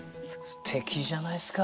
すてきじゃないですか。